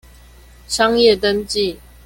商業登記